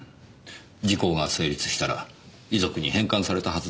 時効が成立したら遺族に返還されたはずですからね。